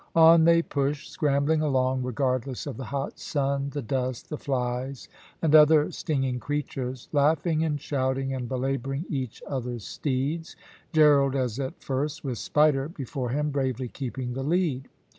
On they pushed, scrambling along regardless of the hot sun, the dust, the flies, and other stinging creatures, laughing and shouting, and belabouring each other's steeds, Gerald, as at first, with Spider before him, bravely keeping the lead.